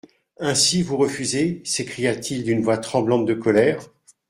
Ainsi, vous refusez ? s'écria-t-il d'une voix tremblante de colère.